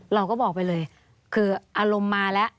เราก็บอกไปเลยคืออารมณ์มาแล้ว